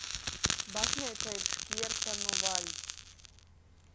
Bazneica ir škierta nu vaļsts.